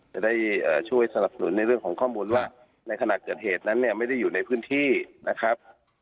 จะได้ช่วยสนับสนุนในเรื่องของข้อมูลว่าในขณะเกิดเหตุนั้นเนี่ยไม่ได้อยู่ในพื้นที่นะครับ